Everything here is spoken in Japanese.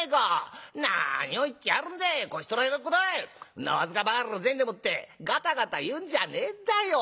んな僅かばかりの銭でもってガタガタ言うんじゃねえんだよ。